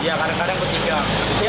iya kadang kadang bertiga